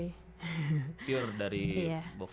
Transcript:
apakah pure dari bokap lo